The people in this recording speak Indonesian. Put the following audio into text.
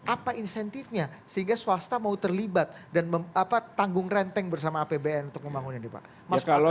apa insentifnya sehingga swasta mau terlibat dan tanggung renteng bersama apbn untuk membangun ini pak